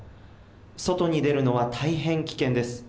外に出るのは大変危険です。